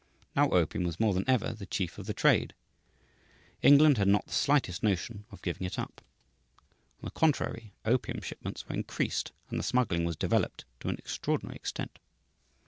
Now opium was more than ever the chief of the trade. England had not the slightest notion of giving it up; on the contrary, opium shipments were increased and the smuggling was developed to an extraordinary extent.